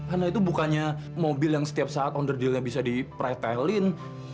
anda itu bukannya mobil yang setiap saat onder dealnya bisa dipretelin